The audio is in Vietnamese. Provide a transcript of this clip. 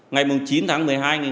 ngày chín tháng một mươi hai